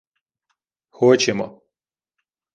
— Хочемо.